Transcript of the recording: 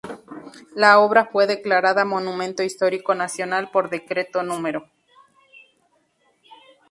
La obra fue declarada Monumento Histórico Nacional por Decreto No.